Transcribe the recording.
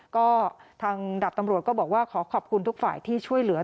ก็ทางดับตำรวจก็บอกว่าขอขอบคุณทุกฝ่ายที่ช่วยเหลือ